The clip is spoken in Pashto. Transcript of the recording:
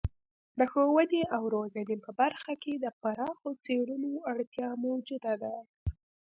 د ښوونې او روزنې په برخه کې د پراخو څیړنو اړتیا موجوده ده.